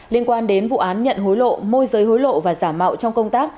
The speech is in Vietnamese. liên quan đến vụ án nhận hối lộ môi giới hối lộ và giả mạo trong công tác